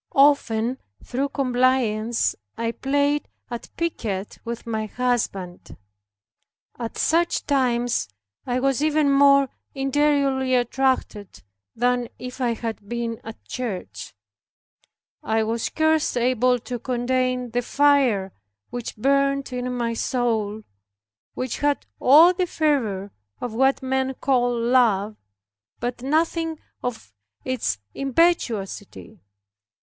Often through compliance I played at piquet with my husband. At such times I was even more interiorly attracted than if I had been at church. I was scarce able to contain the fire which burned in my soul, which had all the fervor of what men call love, but nothing of its impetuosity.